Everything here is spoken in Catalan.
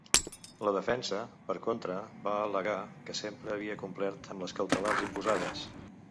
La defensa, per contra, va al·legar que sempre havia complert amb les cautelars imposades.